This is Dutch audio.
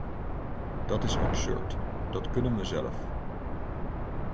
Dat is absurd, dat kunnen we zelf.